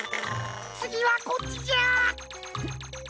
つぎはこっちじゃ。